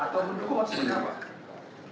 atau mendukung maksudnya apa